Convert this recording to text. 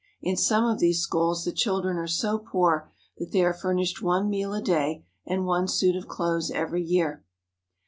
In some of these schools the children are so poor that they are furnished one meal a day and one suit of clothes every year.